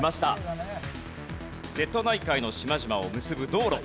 瀬戸内海の島々を結ぶ道路。